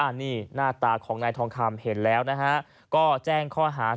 อันนี้หน้าตาของนายทองคำเห็นแล้วนะฮะก็แจ้งข้อหา